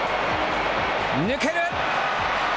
抜ける。